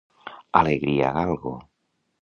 Alegría Galgo.